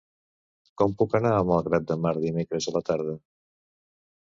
Com puc anar a Malgrat de Mar dimecres a la tarda?